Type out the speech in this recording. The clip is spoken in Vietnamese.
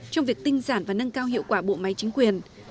trong việc tinh giản và nâng cao hiệu quả bộ máy chính quyền